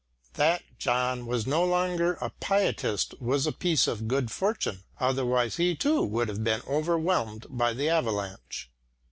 That John was no longer a pietist was a piece of good fortune, otherwise he too would have been overwhelmed by the avalanche.